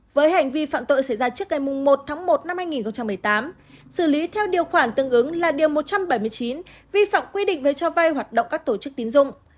với hành vi phạm tội xảy ra trước ngày một tháng một năm hai nghìn một mươi tám xử lý theo điều khoản tương ứng là điều một trăm bảy mươi chín vi phạm quy định về cho vay hoạt động các tổ chức tín dụng